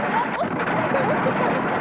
何か落ちてきたんですか？